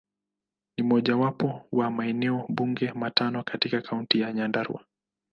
Ni mojawapo wa maeneo bunge matano katika Kaunti ya Nyandarua.